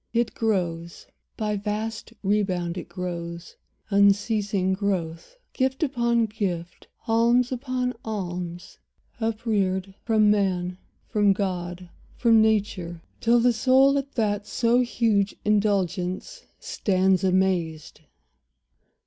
It grows— By vast rebound it grows, unceasing growth; Gift upon gift, alms upon alms, upreared, From man, from God, from nature, till the soul At that so huge indulgence stands amazed.